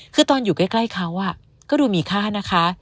คือตอนอยู่ใกล้เขาก็ดูมีค่านะคะ